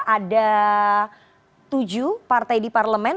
ada tujuh partai di parlemen